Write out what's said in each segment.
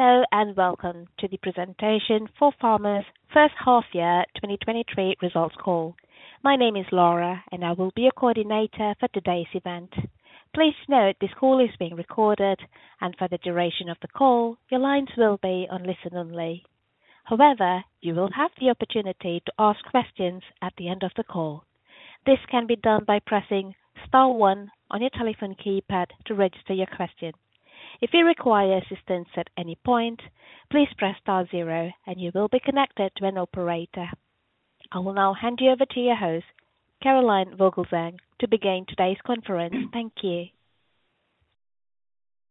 Hello, and welcome to the presentation ForFarmers first half year 2023 results call. My name is Laura, and I will be your coordinator for today's event. Please note this call is being recorded, and for the duration of the call, your lines will be on listen-only. However, you will have the opportunity to ask questions at the end of the call. This can be done by pressing star one on your telephone keypad to register your question. If you require assistance at any point, please press star zero, and you will be connected to an operator. I will now hand you over to your host, Caroline Vogelzang, to begin today's conference. Thank you.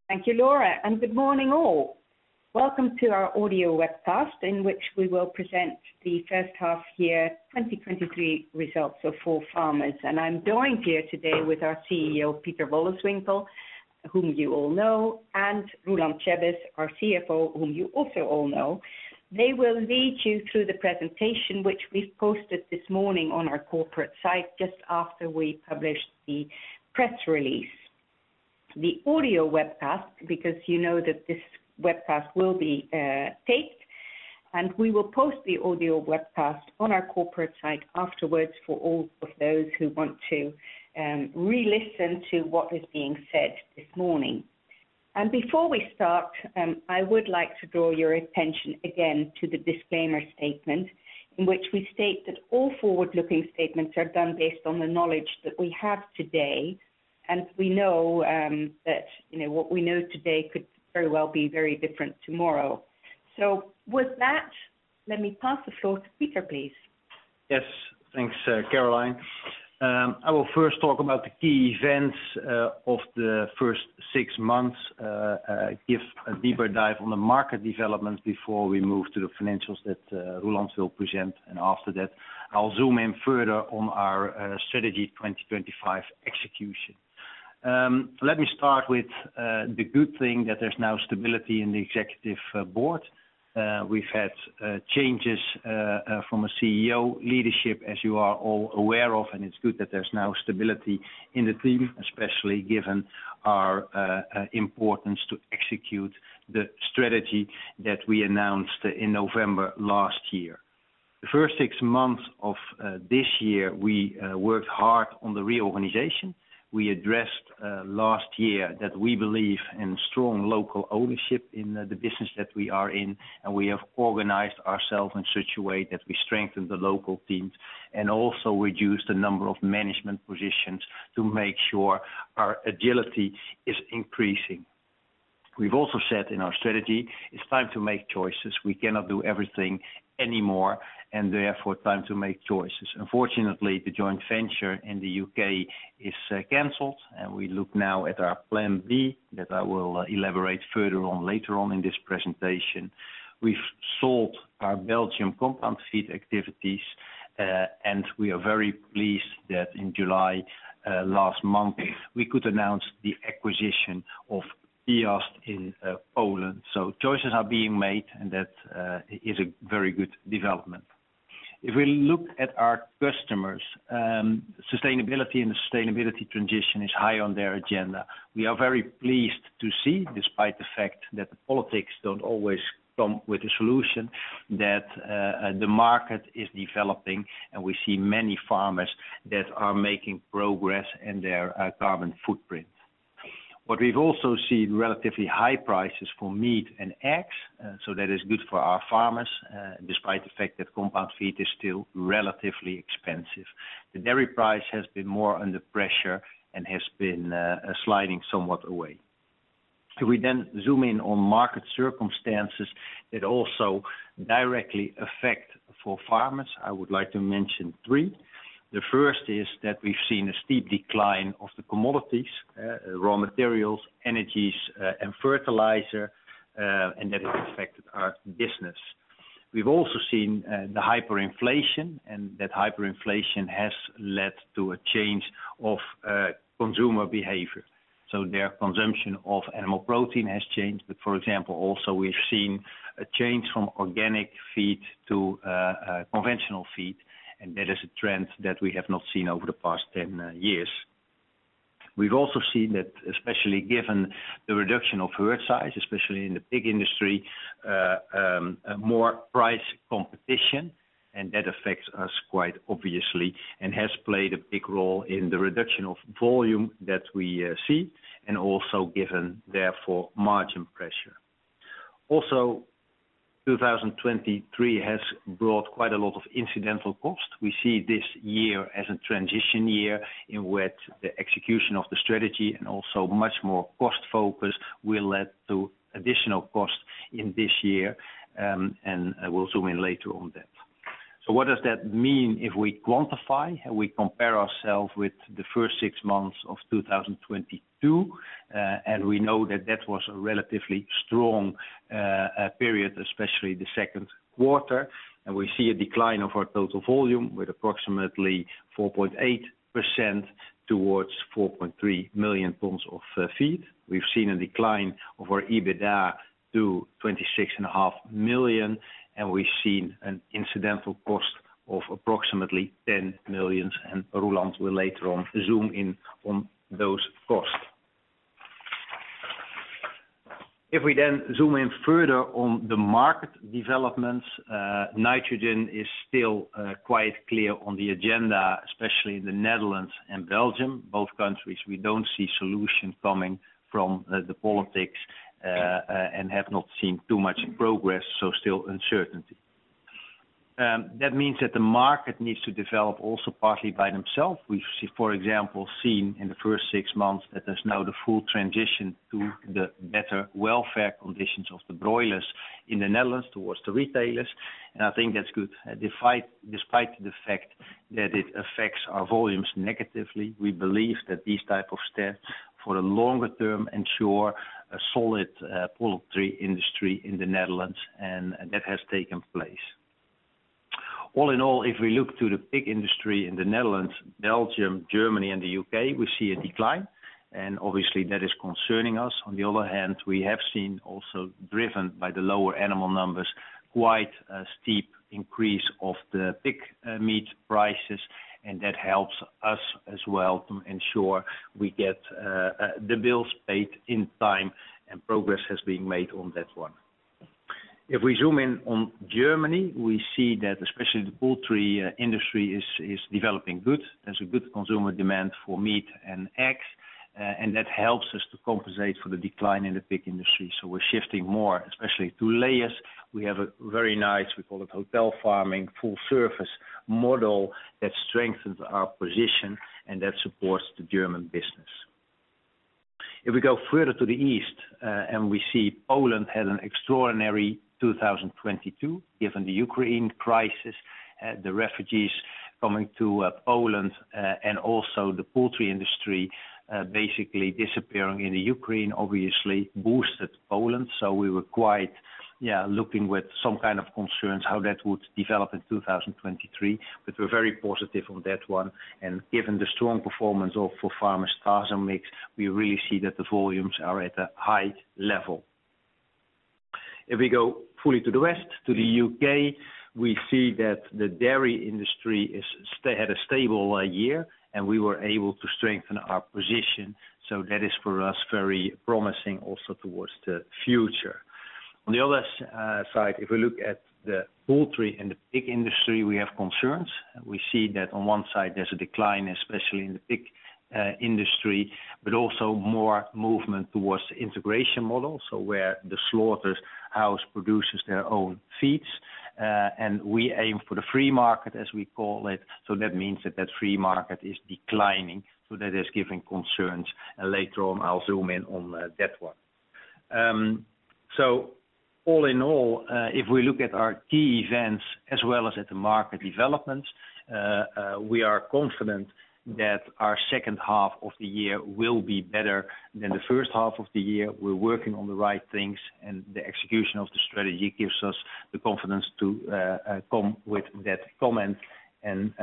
Thank you, Laura. Good morning, all. Welcome to our audio webcast, in which we will present the first half year 2023 results for ForFarmers. I'm joined here today with our CEO, Pieter Wolleswinkel, whom you all know, and Roeland Tjebbes, our CFO, whom you also all know. They will lead you through the presentation, which we've posted this morning on our corporate site, just after we published the press release. The audio webcast, because you know that this webcast will be taped, and we will post the audio webcast on our corporate site afterwards for all of those who want to re-listen to what is being said this morning. Before we start, I would like to draw your attention again to the disclaimer statement, in which we state that all forward-looking statements are done based on the knowledge that we have today, and we know, that, you know, what we know today could very well be very different tomorrow. With that, let me pass the floor to Pieter, please. Yes, thanks, Caroline Vogelzang. I will first talk about the key events of the first six months, give a deeper dive on the market developments before we move to the financials that Roeland will present. After that, I'll zoom in further on our Strategy 2025 execution. Let me start with the good thing that there's now stability in the executive board. We've had changes from a CEO leadership, as you are all aware of, and it's good that there's now stability in the team, especially given our importance to execute the strategy that we announced in November last year. The first six months of this year, we worked hard on the reorganization. We addressed last year that we believe in strong local ownership in the business that we are in. We have organized ourselves in such a way that we strengthen the local teams and also reduce the number of management positions to make sure our agility is increasing. We've also said in our strategy, it's time to make choices. We cannot do everything anymore. Therefore, time to make choices. Unfortunately, the joint venture in the U.K. is canceled. We look now at our plan B, that I will elaborate further on later on in this presentation. We've sold our Belgium compound feed activities. We are very pleased that in July last month, we could announce the acquisition of Piast in Poland. Choices are being made. That is a very good development. We look at our customers, sustainability and the sustainability transition is high on their agenda. We are very pleased to see, despite the fact that the politics don't always come with a solution, that the market is developing, and we see many farmers that are making progress in their carbon footprint. What we've also seen, relatively high prices for meat and eggs, so that is good for our farmers, despite the fact that compound feed is still relatively expensive. The dairy price has been more under pressure and has been sliding somewhat away. We zoom in on market circumstances, it also directly affect ForFarmers. I would like to mention three. The first is that we've seen a steep decline of the commodities, raw materials, energies, and fertilizer, and that has affected our business. We've also seen the hyperinflation, and that hyperinflation has led to a change of consumer behavior, so their consumption of animal protein has changed. For example, also, we've seen a change from organic feed to conventional feed, and that is a trend that we have not seen over the past 10 years. We've also seen that, especially given the reduction of herd size, especially in the pig industry, more price competition, and that affects us quite obviously and has played a big role in the reduction of volume that we see, and also given, therefore, margin pressure. 2023 has brought quite a lot of incidental costs. We see this year as a transition year in which the execution of the strategy and also much more cost focus will lead to additional costs in this year. I will zoom in later on that. What does that mean if we quantify and we compare ourselves with the first six months of 2022? We know that that was a relatively strong period, especially the second quarter. We see a decline of our total volume with approximately 4.8% towards 4.3 million tons of feed. We've seen a decline of our EBITDA to 26.5 million. We've seen an incidental cost of approximately 10 million, and Roeland Tjebbes will later on zoom in on those costs. If we then zoom in further on the market developments, nitrogen is still quite clear on the agenda, especially in the Netherlands and Belgium. Both countries, we don't see solution coming from the politics, and have not seen too much progress, so still uncertainty. That means that the market needs to develop also partly by themselves. We've see, for example, seen in the first six months that there's now the full transition to the better welfare conditions of the broilers in the Netherlands towards the retailers, and I think that's good. Despite the fact that it affects our volumes negatively, we believe that these type of steps, for the longer term, ensure a solid poultry industry in the Netherlands, and that has taken place. All in all, if we look to the pig industry in the Netherlands, Belgium, Germany, and the U.K., we see a decline, and obviously that is concerning us. On the other hand, we have seen also, driven by the lower animal numbers, quite a steep increase of the pig meat prices, and that helps us as well to ensure we get the bills paid in time, and progress has been made on that one. If we zoom in on Germany, we see that especially the poultry industry is developing good. There's a good consumer demand for meat and eggs, and that helps us to compensate for the decline in the pig industry. We're shifting more, especially to layers. We have a very nice, we call it hotel farming, full service model that strengthens our position and that supports the German business. If we go further to the east, we see Poland had an extraordinary 2022, given the Ukraine crisis, the refugees coming to Poland, and also the poultry industry, basically disappearing in the Ukraine, obviously boosted Poland. We were quite looking with some kind of concerns, how that would develop in 2023, but we're very positive on that one. Given the strong performance of ForFarmers Starzen mix, we really see that the volumes are at a high level. If we go fully to the west, to the U.K., we see that the dairy industry had a stable year, and we were able to strengthen our position, so that is for us very promising also towards the future. On the other side, if we look at the poultry and the pig industry, we have concerns. We see that on one side there's a decline, especially in the pig industry, but also more movement towards the integration model, so where the slaughters house produces their own feeds. We aim for the free market, as we call it, so that means that the free market is declining, so that is giving concerns, and later on I'll zoom in on that one. All in all, if we look at our key events as well as at the market developments, we are confident that our second half of the year will be better than the first half of the year. We're working on the right things, and the execution of the strategy gives us the confidence to come with that comment.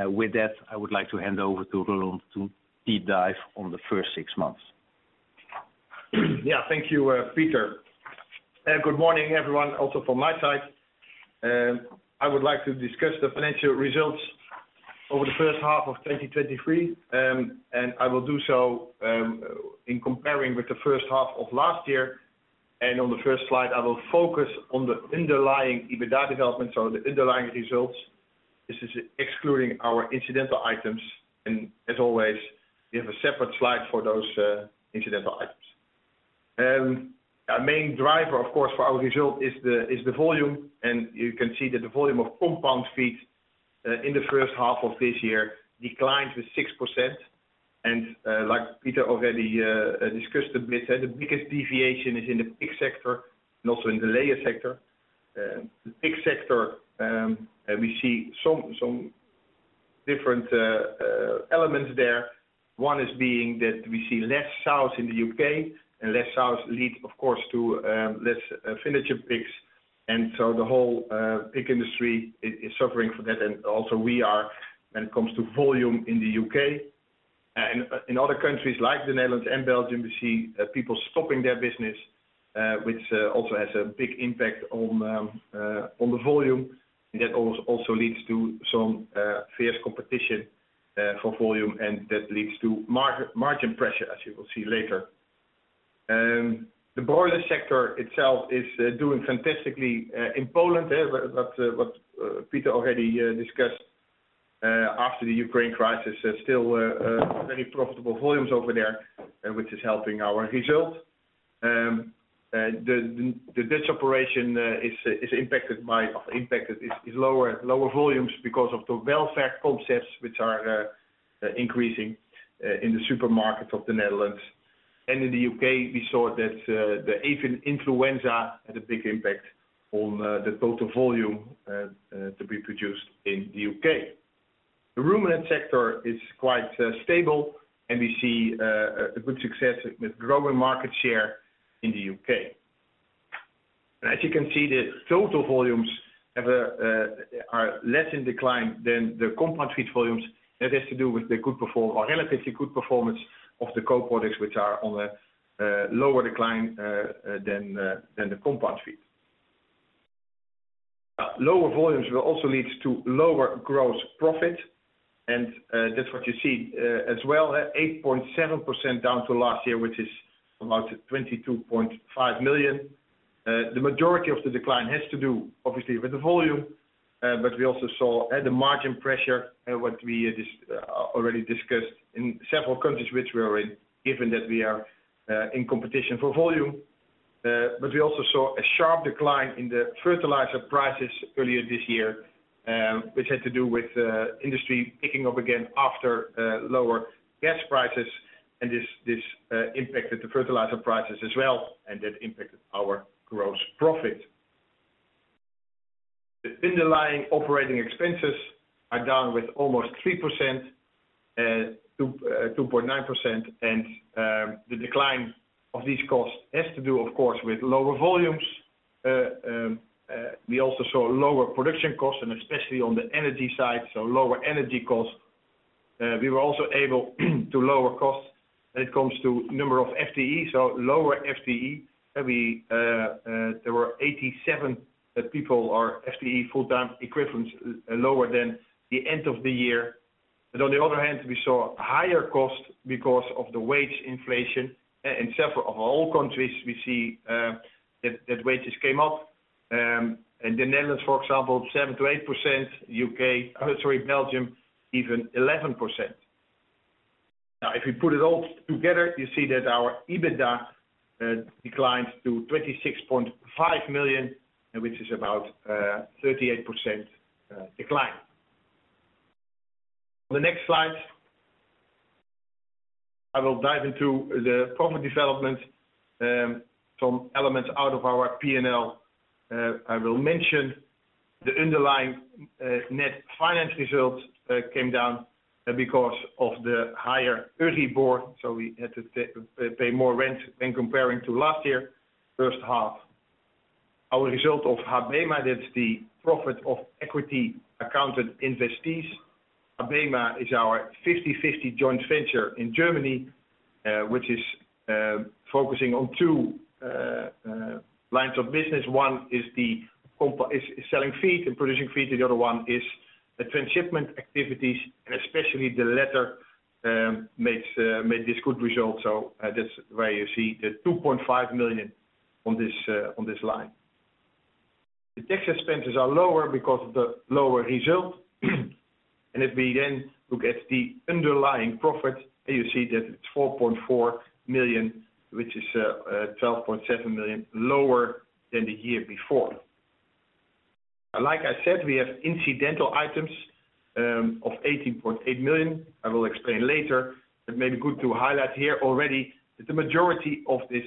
With that, I would like to hand over to Roeland to deep dive on the first six months. Yeah, thank you, Peter. Good morning, everyone, also from my side. I would like to discuss the financial results over the first half of 2023, and I will do so in comparing with the first half of last year. On the first slide, I will focus on the underlying EBITDA development, so the underlying results. This is excluding our incidental items, and as always, we have a separate slide for those incidental items. Our main driver, of course, for our result is the, is the volume, and you can see that the volume of compound feeds in the first half of this year declined to 6%. Like Peter already discussed a bit, the biggest deviation is in the pig sector and also in the layer sector. The pig sector, we see some different elements there. One is being that we see less sows in the U.K., less sows lead, of course, to less finisher pigs, the whole pig industry is suffering from that, also we are when it comes to volume in the U.K. In other countries, like the Netherlands and Belgium, we see people stopping their business, which also has a big impact on the volume. That also, also leads to some fierce competition for volume, that leads to margin pressure, as you will see later. The broiler sector itself is doing fantastically in Poland. What Peter already discussed after the Ukraine crisis, there's still very profitable volumes over there, which is helping our result. The Dutch operation is impacted, is lower volumes because of the welfare concepts which are increasing in the supermarkets of the Netherlands. In the U.K., we saw that the avian influenza had a big impact on the total volume to be produced in the U.K. The ruminant sector is quite stable, and we see a good success with growing market share in the U.K. As you can see, the total volumes are less in decline than the compound feed volumes. That has to do with the good perform- or relatively good performance of the co-products, which are on a lower decline than the compound feed. Lower volumes will also lead to lower gross profit, and that's what you see as well, 8.7% down to last year, which is about 22.5 million. The majority of the decline has to do obviously with the volume, but we also saw at the margin pressure and what we dis- already discussed in several countries which we are in, given that we are in competition for volume. But we also saw a sharp decline in the fertilizer prices earlier this year, which had to do with industry picking up again after lower gas prices, and this, this impacted the fertilizer prices as well, and that impacted our gross profit. The underlying operating expenses are down with almost 3%, 2.9%, and the decline of these costs has to do, of course, with lower volumes. We also saw lower production costs, and especially on the energy side, so lower energy costs. We were also able to lower costs when it comes to number of FTE, so lower FTE. And there were 87 people or FTE, full-time equivalents, lower than the end of the year. On the other hand, we saw higher costs because of the wage inflation. In several, of all countries, we see that wages came up. In the Netherlands, for example, 7%-8%, U.K., oh, sorry, Belgium, even 11%. Now, if you put it all together, you see that our EBITDA declined to 26.5 million, which is about a 38% decline. The next slide, I will dive into the profit development, some elements out of our P&L. I will mention the underlying net finance results came down because of the higher EURIBOR, so we had to pay, pay more rent when comparing to last year, first half. Our result of HaBeMa, that's the profit of equity accounted investees. HaBeMa is our 50/50 joint venture in Germany, which is focusing on two lines of business. One is selling feed and producing feed, the other one is the transshipment activities. Especially the latter makes made this good result. That's why you see the 2.5 million on this on this line. The tax expenses are lower because of the lower result. If we then look at the underlying profit, you see that it's 4.4 million, which is 12.7 million lower than the year before. Like I said, we have incidental items of 18.8 million. I will explain later. It may be good to highlight here already, that the majority of this,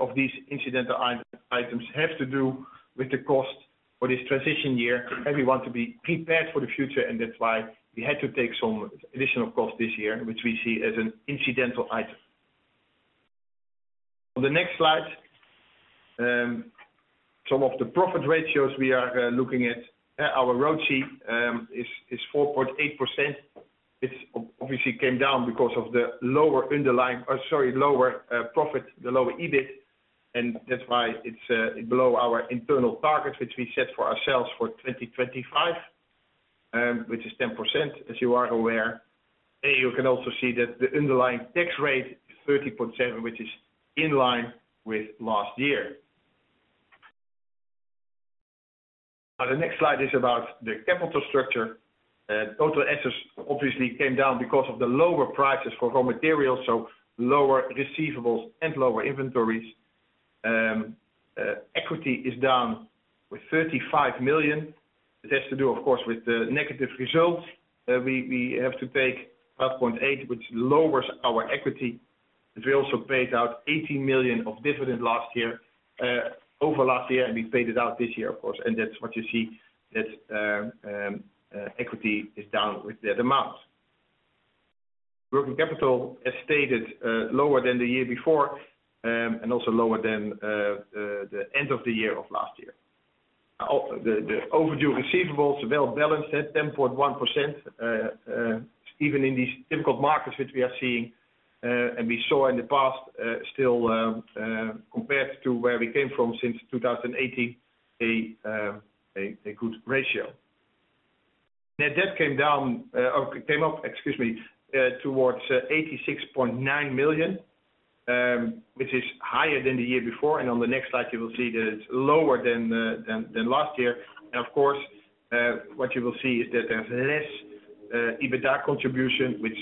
of these incidental i-items have to do with the cost for this transition year, and we want to be prepared for the future, and that's why we had to take some additional costs this year, which we see as an incidental item. On the next slide, some of the profit ratios we are looking at, our ROTCE is 4.8%. It's ob- obviously came down because of the lower underlying, or sorry, lower profit, the lower EBIT, and that's why it's below our internal target, which we set for ourselves for 2025, which is 10%, as you are aware. You can also see that the underlying tax rate is 13.7%, which is in line with last year. Now, the next slide is about the capital structure. Total assets obviously came down because of the lower prices for raw materials, so lower receivables and lower inventories. Equity is down with 35 million. It has to do, of course, with the negative results. We, we have to take 5.8, which lowers our equity, but we also paid out 18 million of dividend last year, over last year, and we paid it out this year, of course, and that's what you see, that, equity is down with that amount. Working capital, as stated, lower than the year before, and also lower than the end of the year of last year. The overdue receivables are well balanced at 10.1%, even in these difficult markets, which we are seeing, and we saw in the past, still, compared to where we came from since 2018, a good ratio. Net debt came down, or came up, excuse me, towards 86.9 million, which is higher than the year before, and on the next slide, you will see that it's lower than last year. Of course, what you will see is that there's less EBITDA contribution, which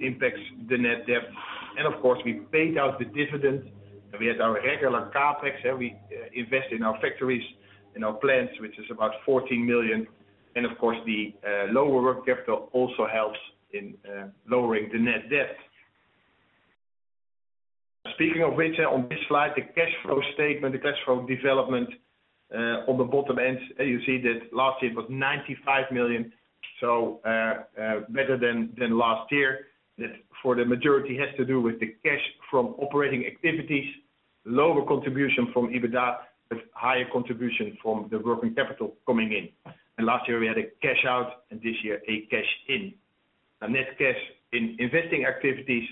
impacts the net debt. Of course, we paid out the dividend, and we had our regular CapEx, and we invest in our factories and our plants, which is about 14 million. Of course, the lower working capital also helps in lowering the net debt. Speaking of which, on this slide, the cash flow statement, the cash flow development, on the bottom end, you see that last year it was 95 million, so better than last year. That for the majority, has to do with the cash from operating activities, lower contribution from EBITDA, but higher contribution from the working capital coming in. Last year we had a cash out, and this year, a cash in. Our net cash in investing activities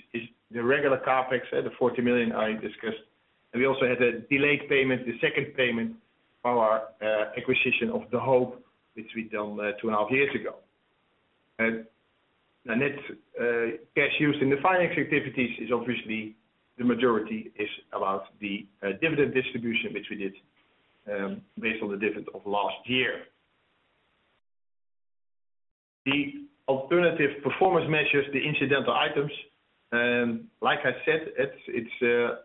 is the regular CapEx, at the 40 million I discussed, and we also had a delayed payment, the second payment for our acquisition of the Hope, which we done 2.5 years ago. The net cash used in the finance activities is obviously, the majority is about the dividend distribution, which we did based on the dividend of last year. The alternative performance measures, the incidental items, like I said, it's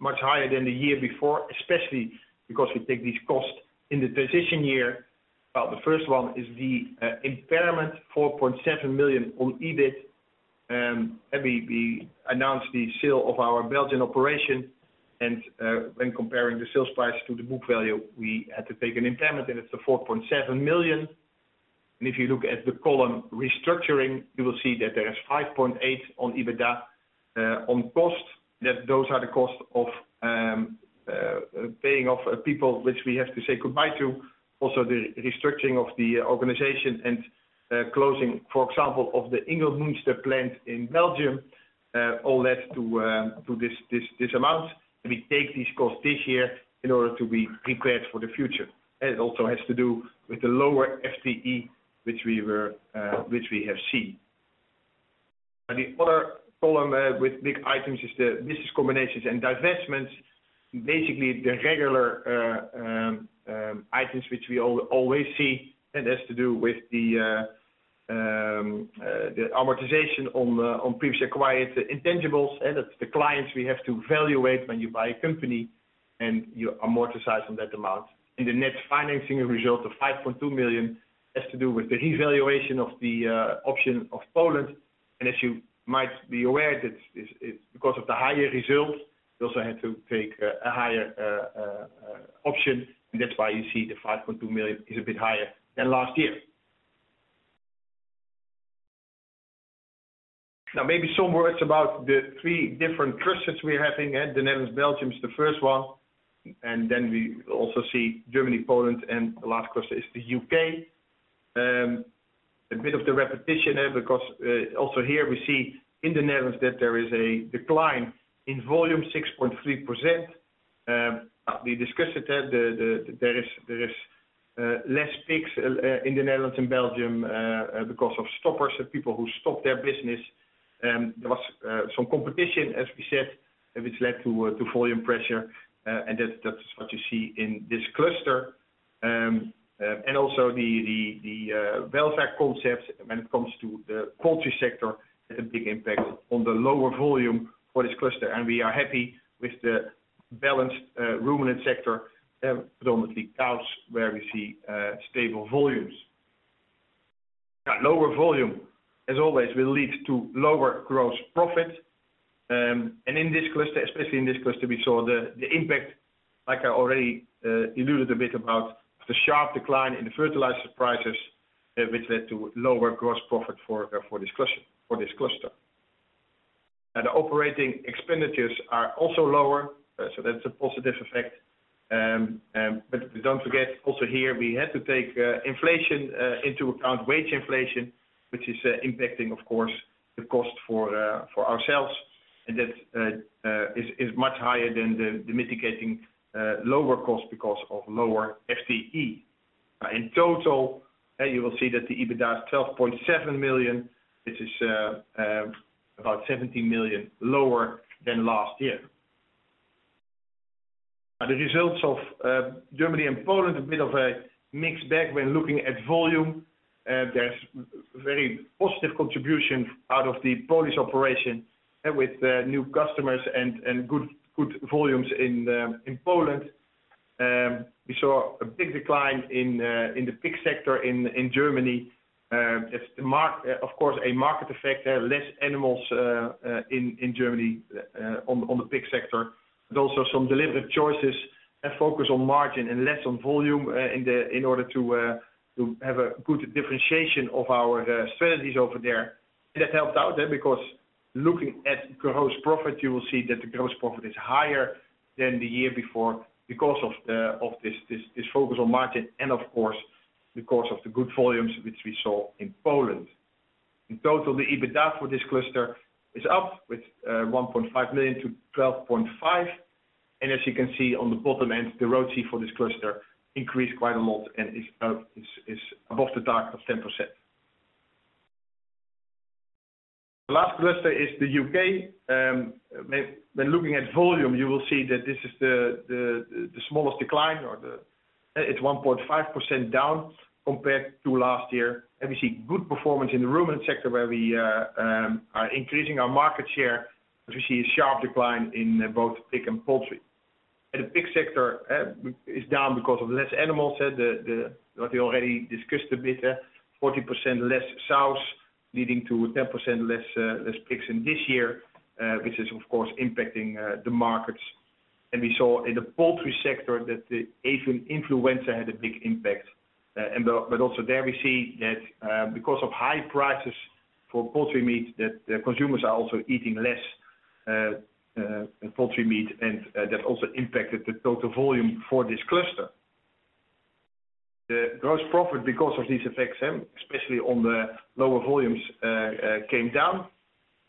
much higher than the year before, especially because we take these costs in the transition year. Well, the first one is the impairment, 4.7 million on EBIT, and we announced the sale of our Belgian operation, and when comparing the sales price to the book value, we had to take an impairment, and it's the 4.7 million. If you look at the column Restructuring, you will see that there is 5.8 million on EBITDA on cost, that those are the costs of paying off people, which we have to say goodbye to. Also, the restructuring of the organization and closing, for example, of the Ingelmunster plant in Belgium, all led to this, this, this amount. We take these costs this year in order to be prepared for the future. It also has to do with the lower FTE, which we were which we have seen. The other column with big items is the business combinations and divestments. Basically, the regular items which we always see, and has to do with the amortization on previously acquired intangibles, and it's the clients we have to evaluate when you buy a company, and you amortize on that amount. The net financing result of 5.2 million has to do with the revaluation of the option of Poland. As you might be aware, that it's, it's because of the higher results, we also had to take a higher option, and that's why you see the 5.2 million is a bit higher than last year. Now, maybe some words about the three different clusters we're having, and the Netherlands, Belgium is the first one, and then we also see Germany, Poland, and the last cluster is the U.K. A bit of the repetition there, because also here we see in the Netherlands that there is a decline in volume 6.3%. We discussed that there is less pigs in the Netherlands and Belgium, because of stoppers, so people who stop their business. There was some competition, as we said, which led to volume pressure, and that's what you see in this cluster. Also the welfare concepts when it comes to the poultry sector, had a big impact on the lower volume for this cluster. We are happy with the balanced ruminant sector, predominantly cows, where we see stable volumes. Now, lower volume, as always, will lead to lower gross profit. In this cluster, especially in this cluster, we saw the impact, like I already alluded a bit about, the sharp decline in the fertilizer prices, which led to lower gross profit for this cluster, for this cluster. The operating expenditures are also lower, so that's a positive effect. Don't forget, also here, we had to take inflation into account, wage inflation, which is impacting, of course, the cost for ourselves, and that is much higher than the mitigating lower cost because of lower FTE. In total, you will see that the EBITDA is 12.7 million, which is about 17 million lower than last year. Now, the results of Germany and Poland, a bit of a mixed bag when looking at volume. There's very positive contribution out of the Polish operation and with the new customers and good volumes in Poland. We saw a big decline in the pig sector in Germany. It's the mar-- of course, a market effect, less animals in Germany on the pig sector. There's also some deliberate choices and focus on margin and less on volume in order to have a good differentiation of our strategies over there. And that helped out there, because looking at gross profit, you will see that the gross profit is higher than the year before because of this focus on margin, and of course, because of the good volumes which we saw in Poland. In total, the EBITDA for this cluster is up with 1.5 million to 12.5 million. As you can see on the bottom end, the ROTCE for this cluster increased quite a lot and is above the target of 10%. The last cluster is the U.K. When looking at volume, you will see that this is the smallest decline or it's 1.5% down compared to last year. We see good performance in the ruminant sector, where we are increasing our market share, as we see a sharp decline in both pig and poultry. The pig sector is down because of less animals, so the, the, what we already discussed a bit, 40% less sows, leading to 10% less pigs in this year, which is, of course, impacting the markets. We saw in the poultry sector that the avian influenza had a big impact, but also there we see that because of high prices for poultry meat, that the consumers are also eating less poultry meat, and that also impacted the total volume for this cluster. The gross profit because of these effects, especially on the lower volumes, came down.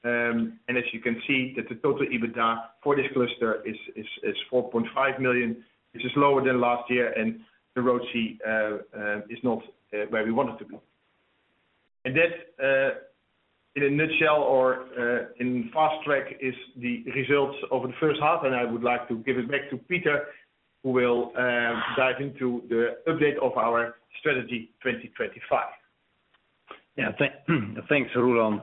As you can see, that the total EBITDA for this cluster is 4.5 million, which is lower than last year, and the ROTCE is not where we want it to be. That, in a nutshell, or, in fast track, is the results of the first half, and I would like to give it back to Peter, who will dive into the update of our Strategy 2025. Yeah. Thanks, Roeland.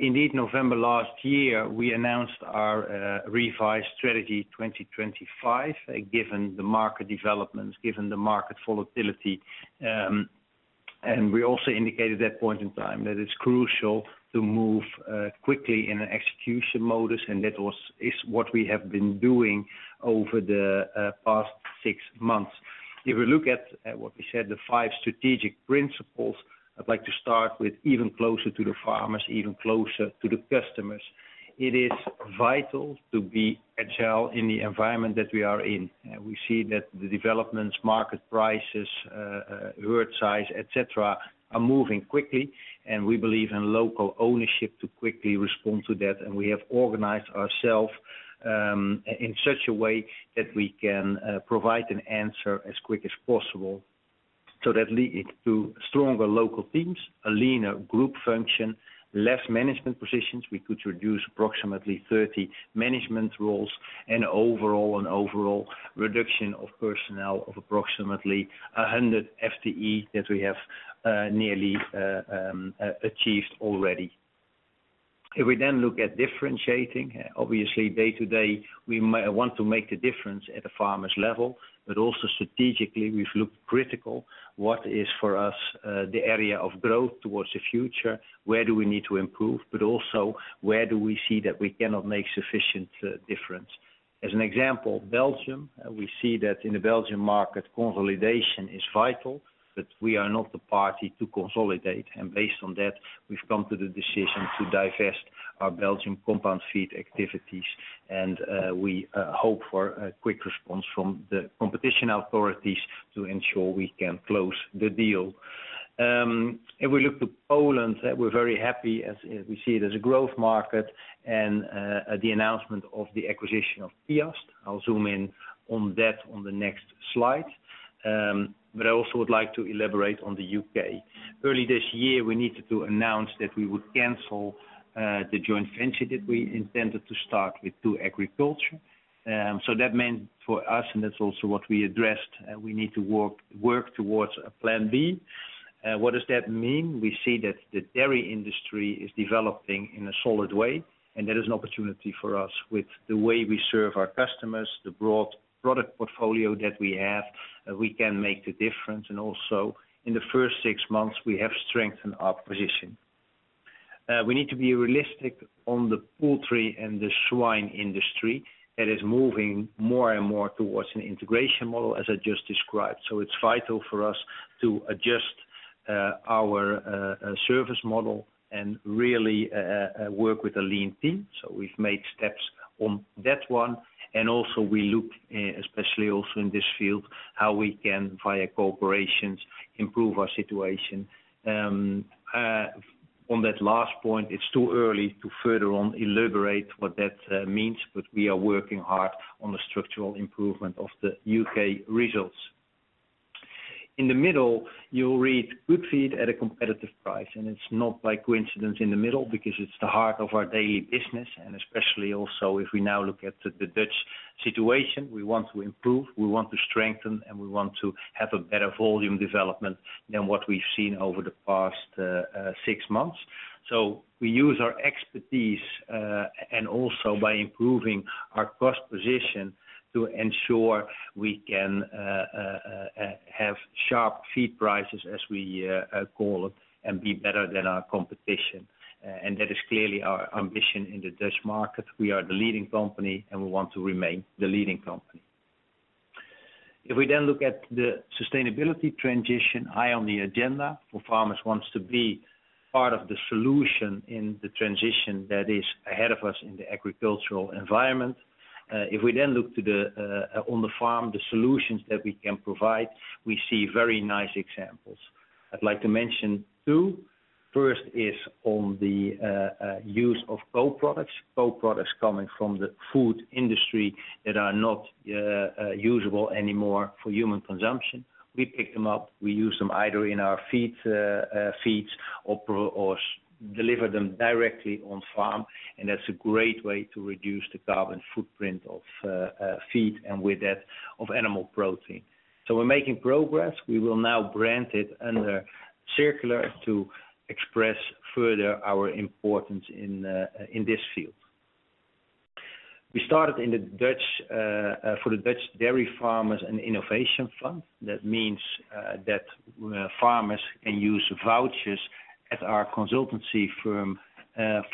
Indeed, November last year, we announced our revised Strategy 2025, given the market developments, given the market volatility. We also indicated that point in time that it's crucial to move quickly in an execution modus, and that was, is what we have been doing over the past six months. If we look at what we said, the five strategic principles, I'd like to start with even closer to the farmers, even closer to the customers. It is vital to be agile in the environment that we are in. We see that the developments, market prices, herd size, et cetera, are moving quickly, and we believe in local ownership to quickly respond to that. We have organized ourselves in such a way that we can provide an answer as quick as possible. That led it to stronger local teams, a leaner group function, less management positions. We could reduce approximately 30 management roles and overall, an overall reduction of personnel of approximately 100 FTE that we have nearly achieved already. If we then look at differentiating, obviously, day-to-day, we want to make a difference at the farmers level, but also strategically, we've looked critical: what is for us the area of growth towards the future? Where do we need to improve, but also, where do we see that we cannot make sufficient difference? As an example, Belgium, we see that in the Belgian market, consolidation is vital, but we are not the party to consolidate, and based on that, we've come to the decision to divest our Belgian compound feed activities, and we hope for a quick response from the competition authorities to ensure we can close the deal. If we look to Poland, we're very happy as, as we see it, as a growth market and the announcement of the acquisition of Piast. I'll zoom in on that on the next slide. I also would like to elaborate on the U.K. Early this year, we needed to announce that we would cancel the joint venture that we intended to start with 2Agriculture. That meant for us, and that's also what we addressed, we need to work, work towards a plan B. What does that mean? We see that the dairy industry is developing in a solid way, and there is an opportunity for us with the way we serve our customers, the broad product portfolio that we have, we can make the difference, and also, in the first six months, we have strengthened our position. We need to be realistic on the poultry and the swine industry. That is moving more and more towards an integration model, as I just described. It's vital for us to adjust our service model and really work with a lean team. We've made steps on that one, and also we look, especially also in this field, how we can, via corporations, improve our situation. On that last point, it's too early to further on elaborate what that means, but we are working hard on the structural improvement of the U.K. results. In the middle, you'll read, "Good feed at a competitive price," and it's not by coincidence in the middle, because it's the heart of our daily business, and especially also, if we now look at the, the Dutch situation, we want to improve, we want to strengthen, and we want to have a better volume development than what we've seen over the past 6 months. We use our expertise, and also by improving our cost position, to ensure we can have sharp feed prices, as we call it, and be better than our competition. That is clearly our ambition in the Dutch market. We are the leading company, and we want to remain the leading company. If we then look at the sustainability transition, high on the agenda, ForFarmers wants to be part of the solution in the transition that is ahead of us in the agricultural environment. If we then look to the on the farm, the solutions that we can provide, we see very nice examples. I'd like to mention two. First is on the use of co-products. Co-products coming from the food industry that are not usable anymore for human consumption. We pick them up, we use them either in our feeds, feeds or deliver them directly on farm, and that's a great way to reduce the carbon footprint of feed, and with that, of animal protein. We're making progress. We will now brand it under circular to express further our importance in this field. We started in the Dutch for the Dutch dairy farmers, an innovation fund. That means that farmers can use vouchers at our consultancy firm,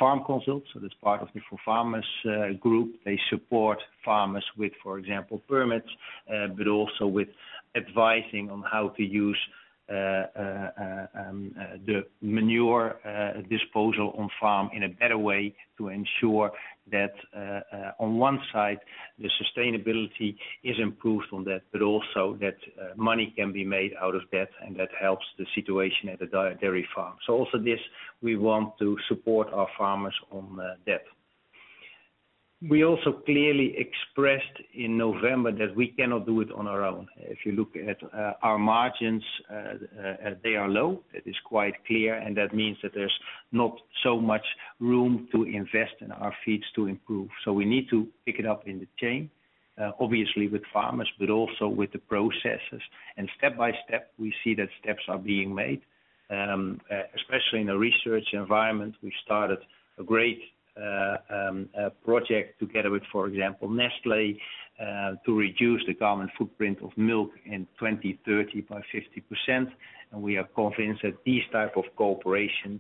FarmConsult. That's part of the ForFarmers group. They support farmers with, for example, permits, but also with advising on how to use-... the manure disposal on farm in a better way to ensure that on one side, the sustainability is improved on that, but also that money can be made out of that, and that helps the situation at the dairy farm. Also this, we want to support our farmers on that. We also clearly expressed in November that we cannot do it on our own. If you look at our margins, they are low, that is quite clear, and that means that there's not so much room to invest in our feeds to improve. We need to pick it up in the chain, obviously with farmers, but also with the processes. Step by step, we see that steps are being made. Especially in a research environment, we started a great project together with, for example, Nestlé, to reduce the carbon footprint of milk in 2030 by 50%. We are convinced that these type of cooperations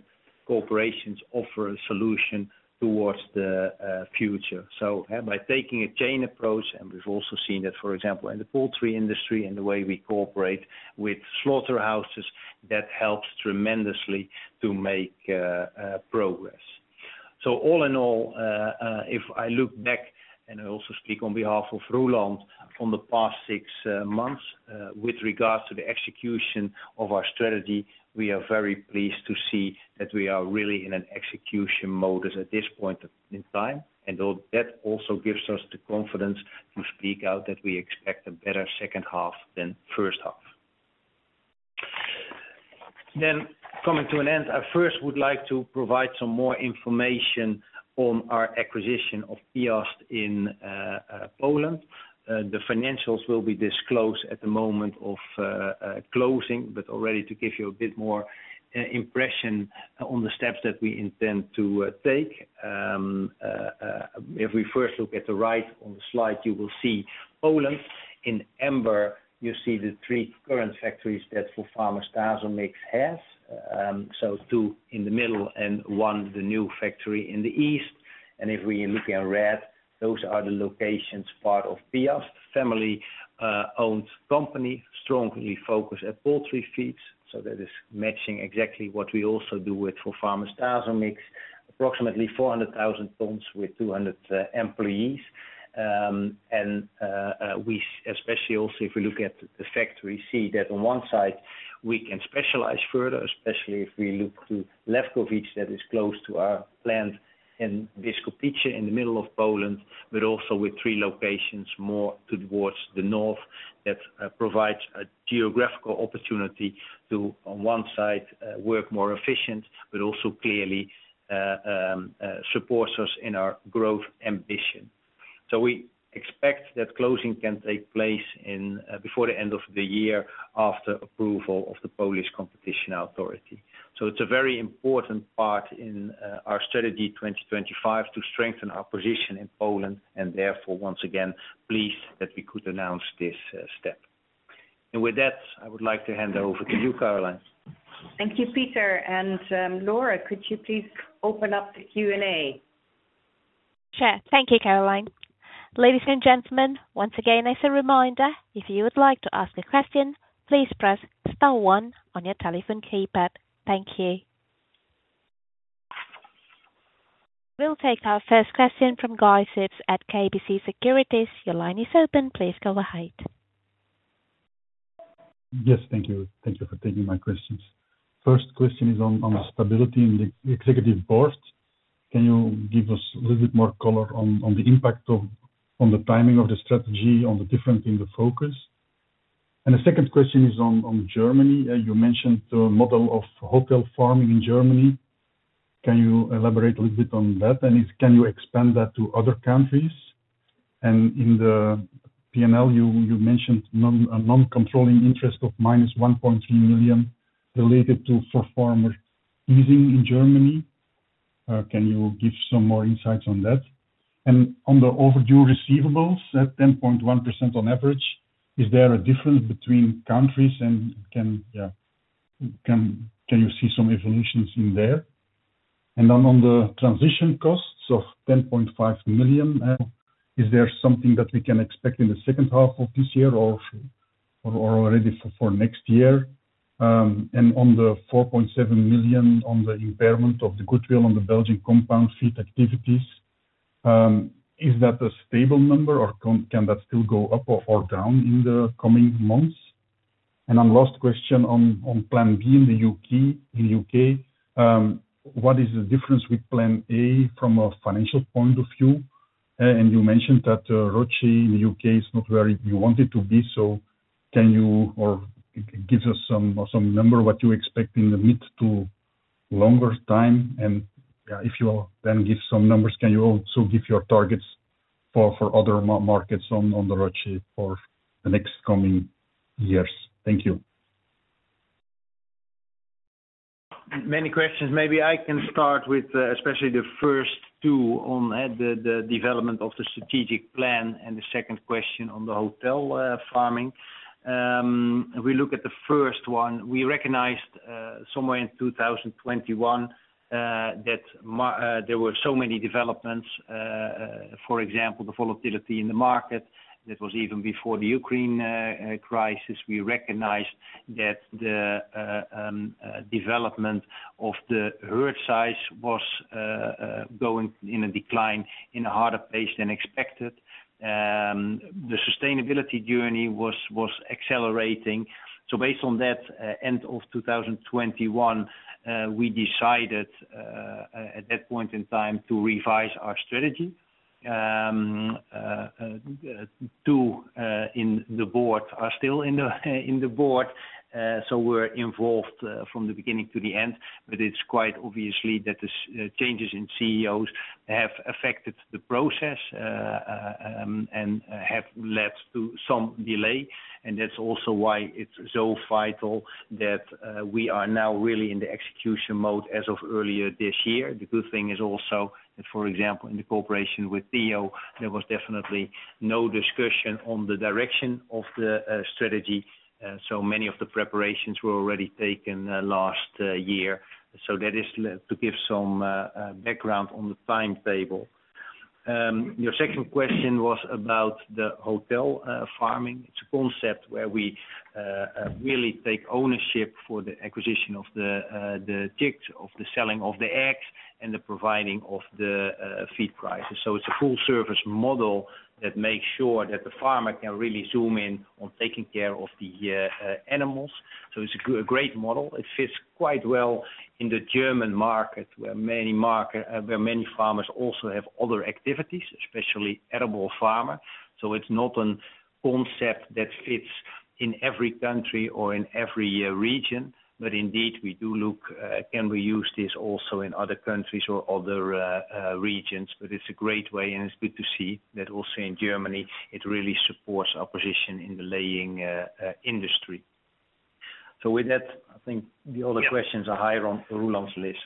offer a solution towards the future. By taking a chain approach, and we've also seen that, for example, in the poultry industry and the way we cooperate with slaughterhouses, that helps tremendously to make progress. All in all, if I look back, and I also speak on behalf of Roeland, on the past six months, with regards to the execution of our strategy, we are very pleased to see that we are really in an execution mode at this point in time, and though that also gives us the confidence to speak out that we expect a better second half than first half. Coming to an end, I first would like to provide some more information on our acquisition of Piast in Poland. The financials will be disclosed at the moment of closing, but already to give you a bit more impression on the steps that we intend to take. If we first look at the right on the slide, you will see Poland. In amber, you see the three current factories that ForFarmers Tasomix has, so two in the middle and one, the new factory in the east. If we look at red, those are the locations, part of Piast, family, owned company, strongly focused at poultry feeds. That is matching exactly what we also do with ForFarmers Tasomix, approximately 400,000 tons with 200 employees. We especially also, if we look at the factory, see that on one side, we can specialize further, especially if we look to Wielkopolski, that is close to our plant in Biskupice, in the middle of Poland, but also with three locations, more towards the north, that provides a geographical opportunity to, on one side, work more efficient, but also clearly supports us in our growth ambition. We expect that closing can take place in before the end of the year, after approval of the Polish Competition Authority. It's a very important part in our Strategy 2025, to strengthen our position in Poland, and therefore, once again, pleased that we could announce this step. With that, I would like to hand over to you, Caroline. Thank you, Peter. Laura, could you please open up the Q&A? Sure. Thank you, Caroline. Ladies and gentlemen, once again, as a reminder, if you would like to ask a question, please press star one on your telephone keypad. Thank you. We'll take our first question from Guy Sips at KBC Securities. Your line is open. Please go ahead. Yes, thank you. Thank you for taking my questions. First question is on, on the stability in the executive board. Can you give us a little bit more color on, on the impact of, on the timing of the strategy, on the difference in the focus? The second question is on, on Germany. You mentioned the model of on-site farming in Germany. Can you elaborate a little bit on that? If, can you expand that to other countries? In the P&L, you, you mentioned non, a non-controlling interest of minus 1.3 million related to ForFarmers using in Germany. Can you give some more insights on that? On the overdue receivables, at 10.1% on average, is there a difference between countries and can you see some evolutions in there? On the transition costs of 10.5 million, is there something that we can expect in the second half of this year or already for next year? On the 4.7 million, on the impairment of the goodwill on the Belgian compound feed activities, is that a stable number, or can that still go up or down in the coming months? Last question on plan B in the U.K. What is the difference with plan A from a financial point of view? You mentioned that ROTCE in the U.K. is not where you want it to be. Can you give us some number, what you expect in the mid to longer time? If you then give some numbers, can you also give your targets for, for other markets on, on the road shape for the next coming years? Thank you. Many questions. Maybe I can start with, especially the first two on the development of the strategic plan, and the second question on the hotel farming.... If we look at the first one, we recognized somewhere in 2021 that there were so many developments, for example, the volatility in the market. That was even before the Ukraine crisis. We recognized that the development of the herd size was going in a decline in a harder pace than expected. The sustainability journey was accelerating. Based on that, end of 2021, we decided at that point in time to revise our strategy. In the board are still in the board. We're involved from the beginning to the end, but it's quite obviously that the changes in CEOs have affected the process and have led to some delay. That's also why it's so vital that we are now really in the execution mode as of earlier this year. The good thing is also that, for example, in the cooperation with Theo, there was definitely no discussion on the direction of the strategy. Many of the preparations were already taken last year. That is to give some background on the timetable. Your second question was about the hotel farming. It's a concept where we really take ownership for the acquisition of the chicks, of the selling of the eggs, and the providing of the feed prices. It's a full service model that makes sure that the farmer can really zoom in on taking care of the animals. It's a great model. It fits quite well in the German market, where many market, where many farmers also have other activities, especially edible farmer. It's not a concept that fits in every country or in every region. Indeed, we do look, can we use this also in other countries or other regions? It's a great way, and it's good to see that also in Germany, it really supports our position in the laying industry. With that, I think the other questions are higher on Roeland's list.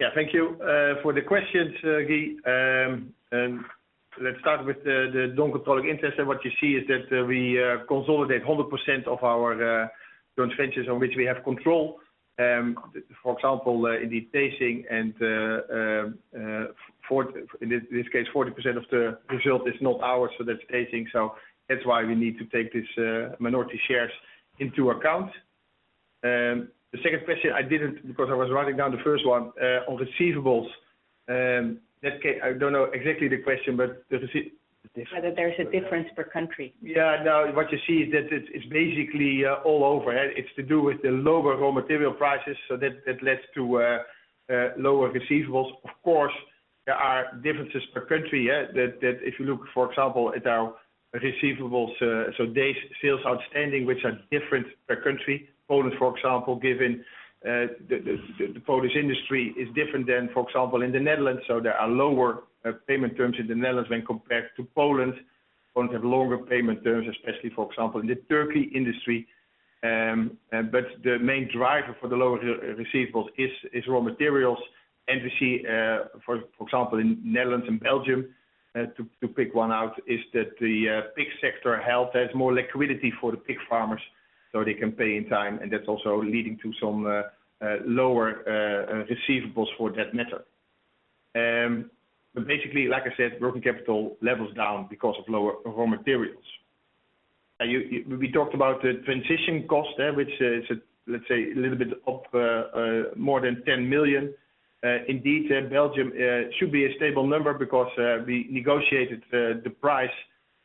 Yeah, thank you for the questions, Guy. Let's start with the non-controlling interest. What you see is that we consolidate 100% of our joint ventures on which we have control. For example, in the pacing, in this case, 40% of the result is not ours. That's pacing. That's why we need to take this minority shares into account. The second question I didn't, because I was writing down the first one, on receivables. That ca- I don't know exactly the question, but the recei- Whether there's a difference per country. Yeah, no, what you see is that it's basically all over, and it's to do with the lower raw material prices, so that leads to lower receivables. Of course, there are differences per country, yeah, that if you look, for example, at our receivables, so Days Sales Outstanding, which are different per country. Poland, for example, given the Polish industry is different than, for example, in the Netherlands, so there are lower payment terms in the Netherlands when compared to Poland. Poland have longer payment terms, especially, for example, in the Turkey industry. The main driver for the lower receivables is raw materials. We see, for example, in Netherlands and Belgium, to pick one out, is that the pig sector health, there's more liquidity for the pig farmers, so they can pay in time, and that's also leading to some lower receivables for that matter. Basically, like I said, working capital levels down because of lower raw materials. You, we talked about the transition cost, which is, let's say, a little bit up, more than 10 million. Indeed, Belgium should be a stable number because we negotiated the price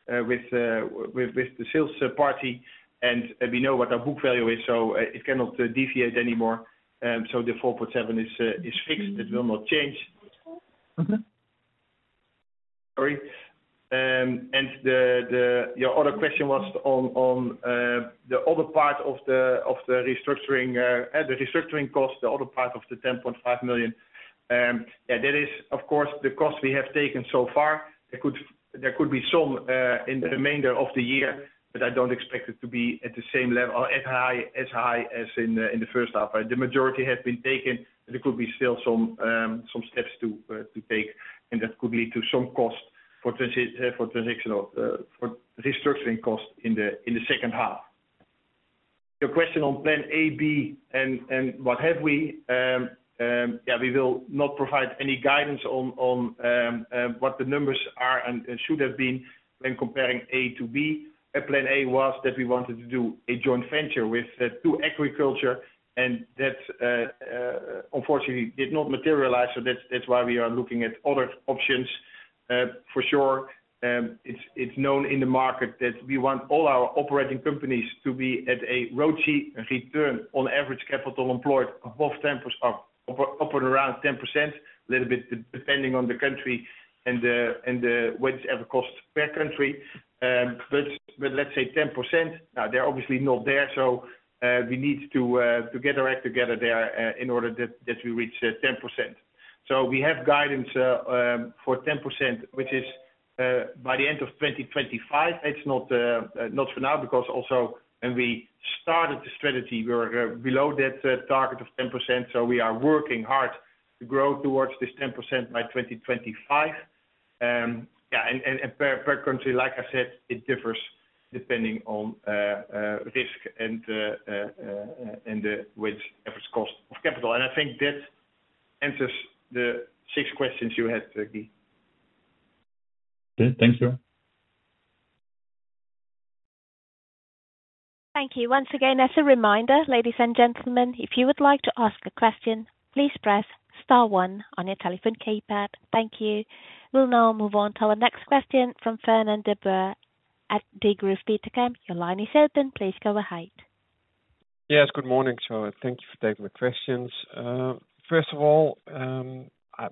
with the sales party, and we know what our book value is, so it cannot deviate anymore. The 4.7 is fixed. It will not change. Mm-hmm. Sorry. The, the, your other question was on, on the other part of the, of the restructuring, at the restructuring cost, the other part of the 10.5 million. Yeah, that is of course, the cost we have taken so far. There could, there could be some, in the remainder of the year, but I don't expect it to be at the same level or as high, as high as in the first half. The majority have been taken, and there could be still some, some steps to take, and that could lead to some costs for transitional, for restructuring costs in the, in the second half. Your question on plan A, B, and what have we? Yeah, we will not provide any guidance on what the numbers are and should have been when comparing A to B. Plan A was that we wanted to do a joint venture with 2Agriculture, and that unfortunately did not materialize, so that's why we are looking at other options. For sure, it's known in the market that we want all our operating companies to be at a return on average capital employed, above 10%, up and around 10%, a little bit depending on the country and whatever costs per country. Let's say 10%, they're obviously not there, so we need to get our act together there in order that we reach 10%. We have guidance for 10%, which is by the end of 2025. It's not not for now, because also when we started the strategy, we were below that target of 10%, so we are working hard to grow towards this 10% by 2025. Per, per country, like I said, it differs depending on risk and and the average cost of capital. I think that answers the six questions you had, Guy. Good. Thanks, Ro. Thank you once again. As a reminder, ladies and gentlemen, if you would like to ask a question, please press star one on your telephone keypad. Thank you. We'll now move on to our next question from Fernand de Boer at Degroof Petercam. Your line is open. Please go ahead. Yes, good morning. Thank you for taking my questions. First of all,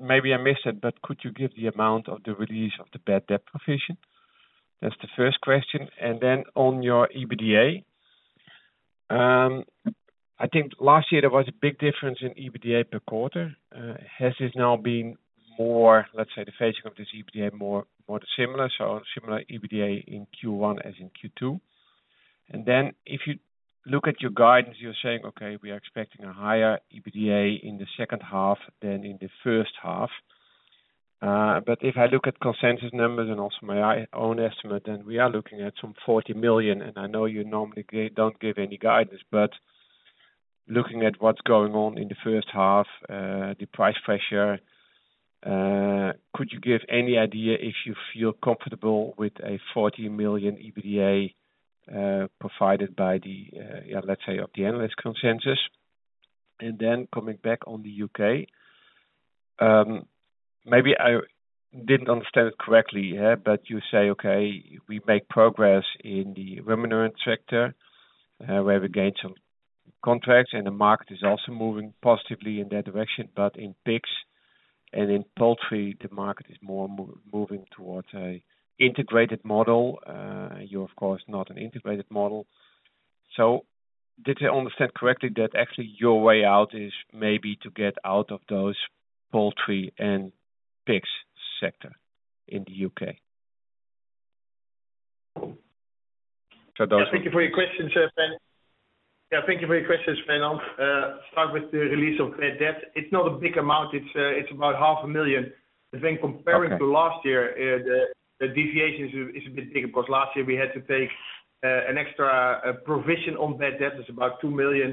maybe I missed it, but could you give the amount of the release of the bad debt provision? That's the first question. Then on your EBITDA, I think last year there was a big difference in EBITDA per quarter. Has this now been more, let's say, the phasing of this EBITDA more, more similar, so similar EBITDA in Q1 as in Q2? Then if you look at your guidance, you're saying, okay, we are expecting a higher EBITDA in the second half than in the first half. But if I look at consensus numbers and also my own estimate, then we are looking at some 40 million, and I know you normally give, don't give any guidance. Looking at what's going on in the first half, the price pressure, could you give any idea if you feel comfortable with a 40 million EBITDA provided by the analyst consensus? Then coming back on the U.K., maybe I didn't understand it correctly, but you say, okay, we make progress in the ruminant sector, where we gain some contracts, and the market is also moving positively in that direction. In pigs and in poultry, the market is more moving towards an integrated model. You, of course, not an integrated model. Did I understand correctly that actually your way out is maybe to get out of those poultry and pigs sector in the U.K.? Those are. Thank you for your questions, sir. Yeah, thank you for your questions, Fernand. Start with the release of bad debt. It's not a big amount. It's about 500,000. I think comparing- Okay... to last year, the deviation is a bit bigger, because last year we had to take an extra provision on bad debt. It's about 2 million.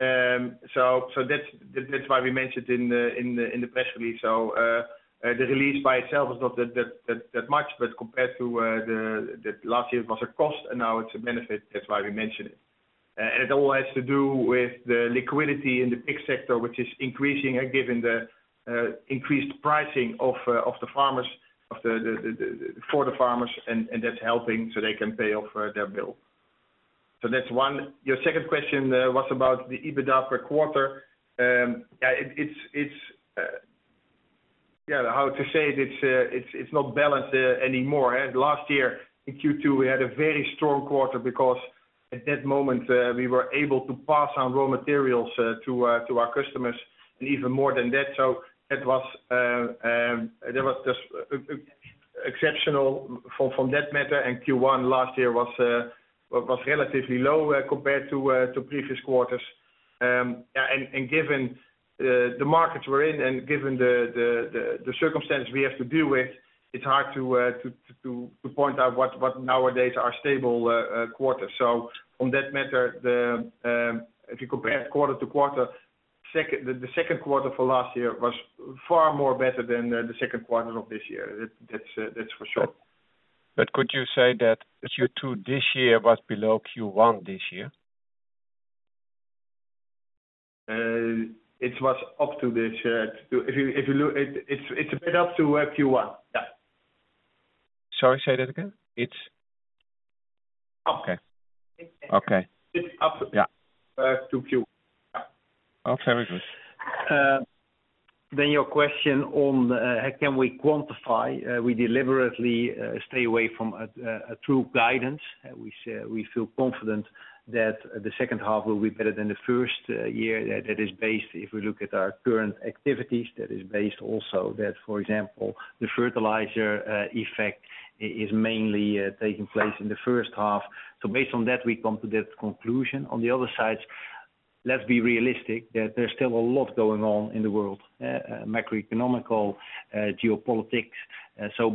That's why we mentioned in the press release. The release by itself is not that much, but compared to the last year it was a cost, and now it's a benefit. That's why we mentioned it. It all has to do with the liquidity in the pig sector, which is increasing and given the increased pricing of the farmers, of the, the, the, for the farmers, and that's helping so they can pay off their bill. That's one. Your second question was about the EBITDA per quarter. Yeah, it's yeah, how to say this, it's, it's not balanced anymore. Last year, in Q2, we had a very strong quarter because at that moment, we were able to pass on raw materials to to our customers, and even more than that. It was, there was just exceptional from, from that matter, and Q1 last year was relatively low compared to previous quarters. Given the markets we're in and given the, the, the, the circumstances we have to deal with, it's hard to point out what, what nowadays are stable quarters. From that matter, the, if you compare quarter to quarter, second, the, the second quarter for last year was far more better than the, the second quarter of this year. That's, that's for sure. Could you say that Q2 this year was below Q1 this year? It was up to this, if you, if you look. It, it's, it's a better up to Q1. Yeah. Sorry, say that again. It's? Up. Okay. Okay. It's. Yeah to Q1. Oh, very good. Your question on, can we quantify? We deliberately stay away from a true guidance. We say, we feel confident that the second half will be better than the first year. That, that is based, if we look at our current activities, that is based also that, for example, the fertilizer effect is mainly taking place in the first half. Based on that, we come to that conclusion. On the other side, let's be realistic, that there's still a lot going on in the world, macro economical, geopolitics.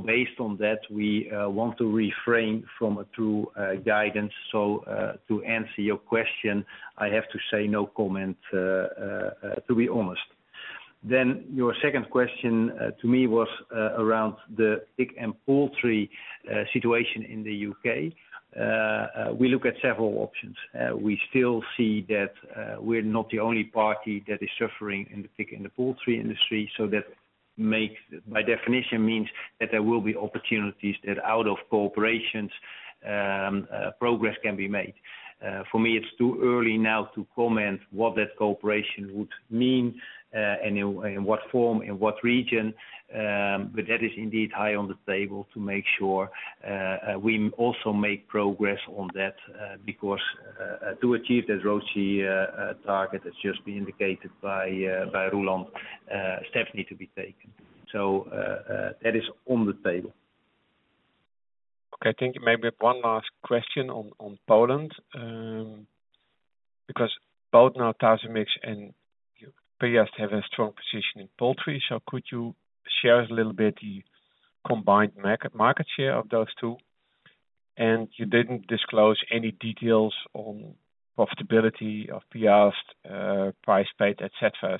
Based on that, we want to refrain from a true guidance. To answer your question, I have to say no comment, to be honest. Your second question to me was around the pig and poultry situation in the U.K. We look at several options. We still see that we're not the only party that is suffering in the pig and the poultry industry, so that makes, by definition means that there will be opportunities that out of cooperations, progress can be made. For me, it's too early now to comment what that cooperation would mean, and in what form, in what region, but that is indeed high on the table to make sure we also make progress on that, because to achieve the ROTCE target that's just been indicated by Roeland, steps need to be taken. That is on the table. Okay, I think maybe one last question on, on Poland. Because both now Tasomix and Piast have a strong position in poultry, so could you share us a little bit the combined market, market share of those two? You didn't disclose any details on profitability of Piast, price paid, et cetera.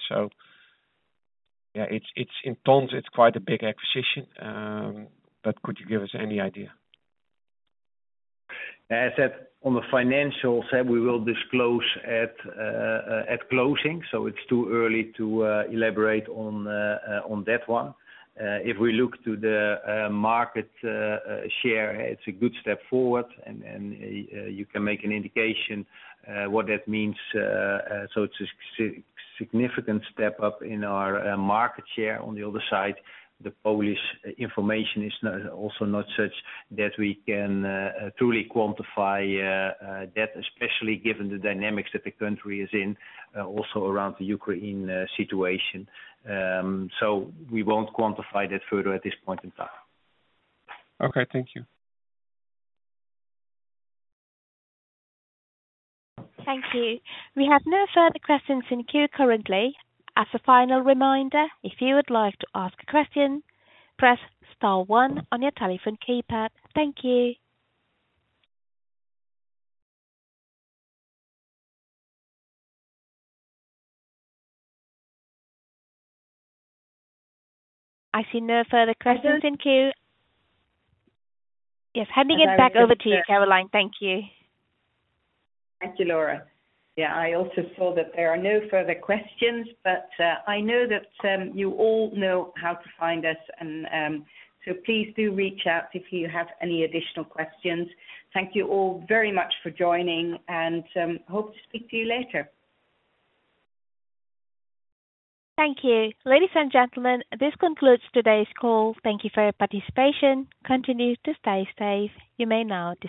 Yeah, it's, it's in tons, it's quite a big acquisition, but could you give us any idea? As said, on the financial side, we will disclose at, at closing, so it's too early to elaborate on that one. If we look to the market share, it's a good step forward and, and, you can make an indication what that means. It's a sig-significant step up in our market share. On the other side, the Polish information is not, also not such that we can truly quantify that, especially given the dynamics that the country is in, also around the Ukraine situation. We won't quantify that further at this point in time. Okay. Thank you. Thank you. We have no further questions in queue currently. As a final reminder, if you would like to ask a question, press star 1 on your telephone keypad. Thank you. I see no further questions in queue. Yes, handing it back over to you, Caroline. Thank you. Thank you, Laura. Yeah, I also saw that there are no further questions, but I know that you all know how to find us, and so please do reach out if you have any additional questions. Thank you all very much for joining, and hope to speak to you later. Thank you. Ladies and gentlemen, this concludes today's call. Thank you for your participation. Continue to stay safe. You may now disconnect.